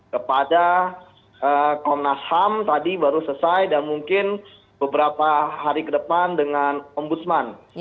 kepada komnas ham tadi baru selesai dan mungkin beberapa hari ke depan dengan ombudsman